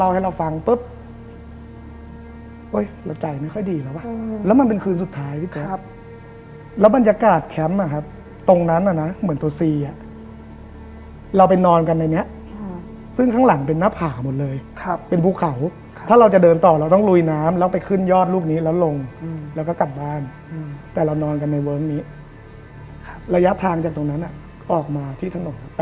ให้เราฟังปุ๊บโอ๊ยเราใจไม่ค่อยดีแล้วว่ะแล้วมันเป็นคืนสุดท้ายพี่แจ๊คแล้วบรรยากาศแคมป์อ่ะครับตรงนั้นน่ะนะเหมือนตัวซีอ่ะเราไปนอนกันในนี้ซึ่งข้างหลังเป็นหน้าผ่าหมดเลยครับเป็นภูเขาถ้าเราจะเดินต่อเราต้องลุยน้ำแล้วไปขึ้นยอดลูกนี้แล้วลงแล้วก็กลับบ้านแต่เรานอนกันในเวิร์คนี้ระยะทางจากตรงนั้นออกมาที่ถนน